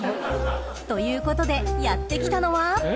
［ということでやって来たのは］